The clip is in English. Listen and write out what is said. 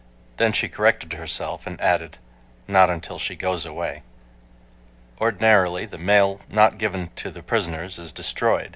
,Then she corrected herself, and added, "Not until she goes away." Ordinarily the mail not given the prisoners is destroyed.